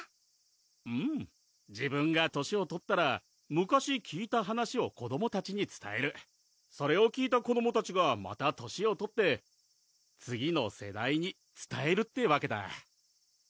うん自分が年を取ったら昔聞いた話を子どもたちにつたえるそれを聞いた子どもたちがまた年を取って次の世代につたえるってわけだ